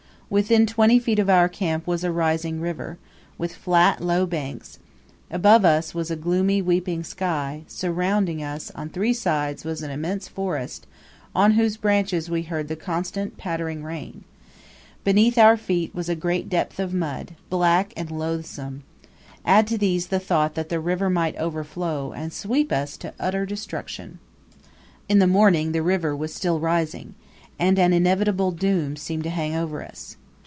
Within twenty feet of our camp was a rising river, with flat, low banks; above us was a gloomy, weeping sky; surrounding us on three sides was an immense forest, on whose branches we heard the constant, pattering rain; beneath our feet was a great depth of mud, black and loathsome; add to these the thought that the river might overflow, and sweep us to utter destruction. In the morning the river was still rising, and an inevitable doom seemed to hang over us.